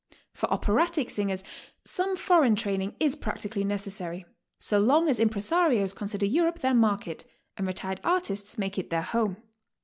For operaitdc singers some foreign training is prac tically necessary, so long as impresarios consider Europe their market, and retired artists make it their hom.e.